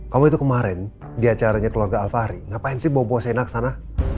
kamu itu kemarin di acaranya keluarga alvari ngapain sih bawa bawa sienna ke sana